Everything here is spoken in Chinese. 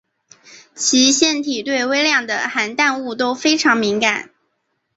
其腺体对微量的含氮物都非常敏感。